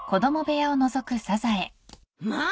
まあ！